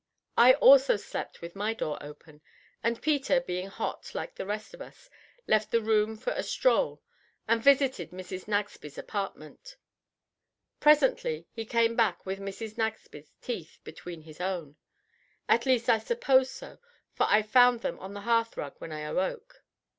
I also slept with my door open, and Peter, being hot like the rest of us, left the room for a stroll, and visited Mrs. Nagsby's apartment. Presently he came back with Mrs. Nagsby's teeth between his own at least I suppose so, for I found them on the hearth rug when I awoke.